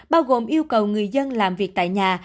bao gồm yêu cầu người dân làm việc tại nhà